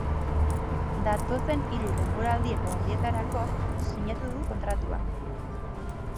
Datozen hiru denboraldi eta erdietarako sinatu du kontratua.